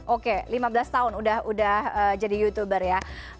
oke lima belas tahun udah jadi youtuber ya